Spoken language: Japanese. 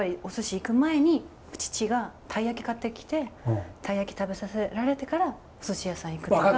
行く前に父がたい焼き買ってきてたい焼き食べさせられてからすし屋さん行くとか。